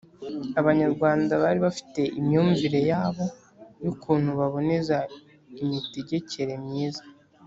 Abanyarwanda bari bafite imyumvire yabo y'ukuntu baboneza imitegekere myiza